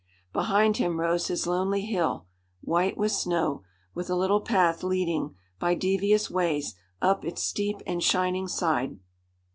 Behind him rose his lonely hill, white with snow, with the little path leading, by devious ways, up its steep and shining side.